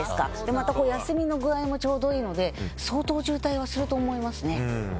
また休みの具合もちょうどいいので相当、渋滞をすると思いますね。